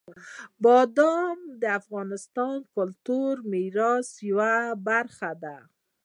بادام د افغانستان د کلتوري میراث یوه برخه ده.